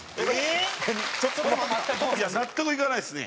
いや納得いかないですね。